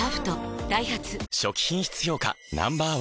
ダイハツ初期品質評価Ｎｏ．１